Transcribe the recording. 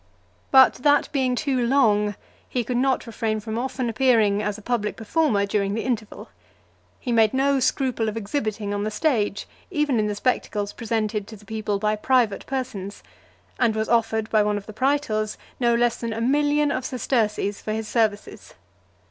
But that being too long, he could not refrain from often appearing as a public performer during the interval. He made no scruple of exhibiting on the stage, even in the spectacles presented to the people by private persons, and was offered by one of the praetors, no less than a million of sesterces for his services.